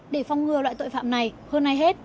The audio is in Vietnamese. để phong ngừa loại tội phạm này hơn ai hết